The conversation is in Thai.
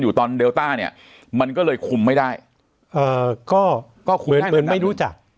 อยู่ตอนเดลต้าเนี้ยมันก็เลยคุมไม่ได้เอ่อก็เหมือนไม่รู้จัก